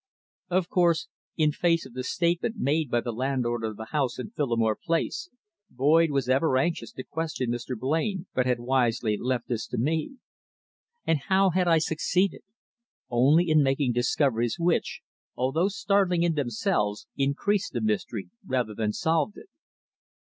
Of course, in face of the statement made by the landlord of the house in Phillimore Place, Boyd was ever anxious to question Mrs. Blain, but had wisely left this to me. And how had I succeeded? Only in making discoveries which, although startling in themselves, increased the mystery rather than solved it.